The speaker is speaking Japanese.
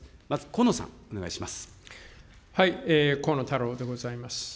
まず河野さん、お願いします。